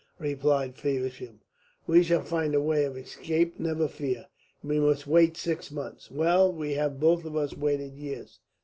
replied Feversham. "We shall find a way of escape, never fear. We must wait six months. Well, we have both of us waited years.